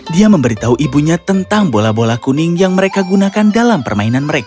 dia memberitahu ibunya tentang bola bola kuning yang mereka gunakan dalam permainan mereka